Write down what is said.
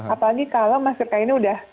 apalagi kalau masker kainnya udah